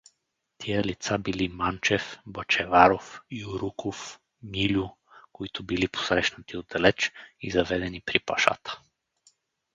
Тия лица били Манчев, Бъчеваров, Юруков, Милю, които били посрещнати отдалеч и заведени при пашата.